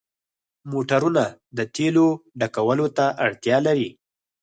موټرونه د تیلو ډکولو ته اړتیا لري.